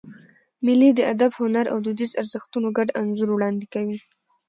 مېلې د ادب، هنر او دودیزو ارزښتونو ګډ انځور وړاندي کوي.